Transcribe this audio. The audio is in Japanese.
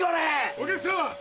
お客さん